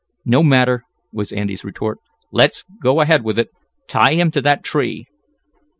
"No matter," was Andy's retort. "Let's go ahead with it. Tie him to that tree."